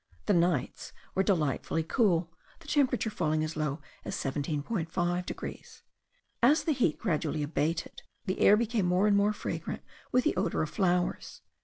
The nights were delightfully cool, the temperature falling as low as 17.5 degrees. As the heat gradually abated, the air became more and more fragrant with the odour of flowers.